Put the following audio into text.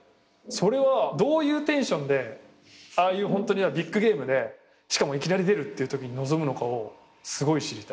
それはどういうテンションでああいうビッグゲームでしかもいきなり出るっていうときに臨むのかをすごい知りたい。